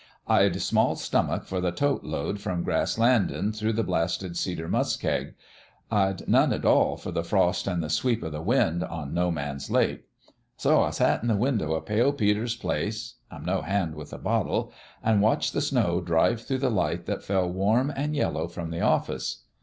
I'd small stomach for the tote load from Grass Land in' through the Blasted Cedar Muskeg : I'd none at all for the frost an' the sweep o' the wind on No Man's Lake. So I sat in the window o' Pale Peter's place I'm no hand with a bottle an' watched the snow drive through the light that fell warm an' yellow from the office.